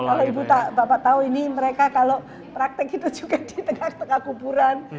kalau ibu bapak tahu ini mereka kalau praktek itu juga di tengah tengah kuburan